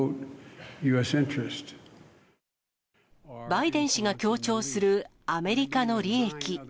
バイデン氏が強調するアメリカの利益。